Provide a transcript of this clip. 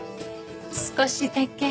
少しだけ。